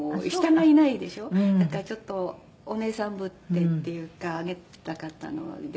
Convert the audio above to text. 「だからちょっとお姉さんぶってっていうかあげたかったので。